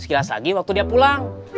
sekilas lagi waktu dia pulang